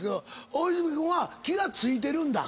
大泉君は気が付いてるんだ？